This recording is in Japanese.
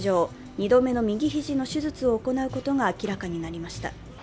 ２度目の右肘の手術を行うことが明らかになりました。